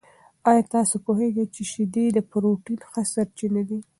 آیا تاسو پوهېږئ چې شیدې د پروټین ښه سرچینه دي؟